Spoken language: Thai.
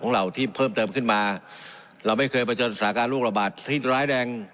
เหล่าที่เพิ่มเติมขึ้นมาเราไม่เคยเผชิญสถานการณ์โรคระบาดที่ร้ายแรง